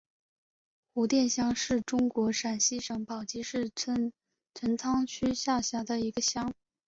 胡店乡是中国陕西省宝鸡市陈仓区下辖的一个乡。